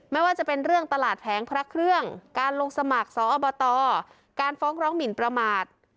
ไม่ว่าจะเป็นเรื่องตลาดแผงพระเครื่องการลงสมัครสอบตการฟ้องร้องหมินประมาท